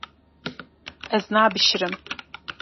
Ez nabişirim.